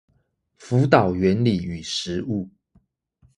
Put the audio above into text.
輔導原理與實務